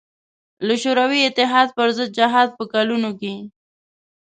له شوروي اتحاد پر ضد جهاد په کلونو کې.